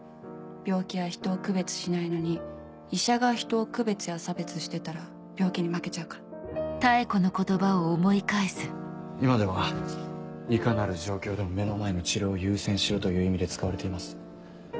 病気は人を区別しないのに医者が人を区別や差別してたら病気に負けちゃうから今では「いかなる状況でも目の前の治療を優先しろ」という意味で使われています。